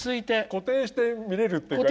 固定して見れるっていうか。